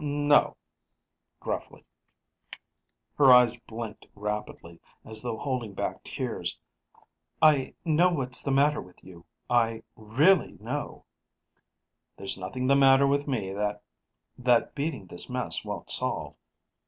"No." Gruffly. Her eyes blinked rapidly, as though holding back tears. "I know what's the matter with you; I really know." "There's nothing the matter with me that " "That beating this mess won't solve."